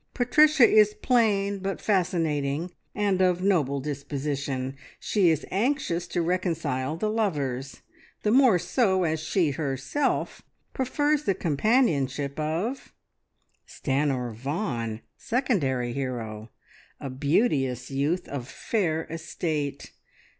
Patricia is plain, but fascinating, and of noble disposition. She is anxious to reconcile the lovers. The more so as she herself prefers the companionship of: "Stanor Vaughan, Secondary Hero, a beauteous youth of fair estate.